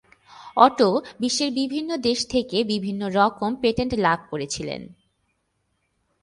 Auto বিশ্বের বিভিন্ন দেশ থেকে বিভিন্ন রকম পেটেন্ট লাভ করেছিলেন।